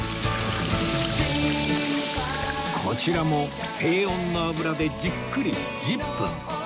こちらも低温の油でじっくり１０分